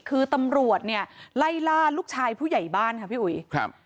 คือตำรวจเนี่ยไล่ล่าลูกชายผู้ใหญ่บ้านค่ะพี่อุ๋ยครับ